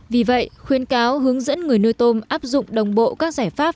vì vậy khuyên cáo hướng dẫn người nuôi tôm áp dụng đồng bộ các giải pháp